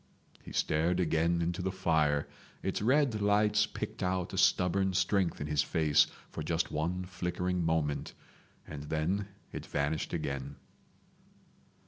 He stared again into the fire. Its red lights picked out a stubborn strength in his face for just one flickering moment, and then it vanished again.